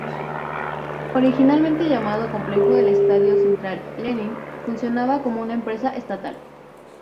Originalmente llamado Complejo del Estadio Central Lenin, funcionaba como una empresa estatal.